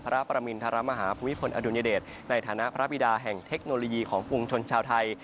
พระประมินทรมาฮาภูมิพลอดุญเดชในฐานะพระบิดาแห่งเทคโนโลยีของปวงชนชาวไทย